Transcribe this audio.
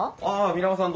皆川さん